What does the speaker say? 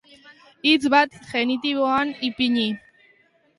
Hitz bat genitiboan ipini.